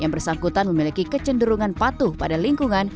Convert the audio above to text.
yang bersangkutan memiliki kecenderungan patuh pada lingkungan